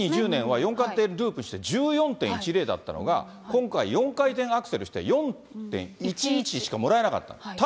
２０２０年は４回転ループして１４．１０だったのが、今回、４回転アクセルして４．１１しかもらえなかった。